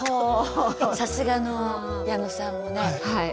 さすがの矢野さんもね。